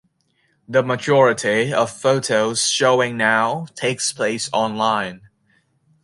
The majority of photo showing now takes place online.